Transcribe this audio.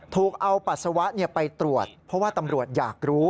ถูกเอาปัสสาวะไปตรวจเพราะว่าตำรวจอยากรู้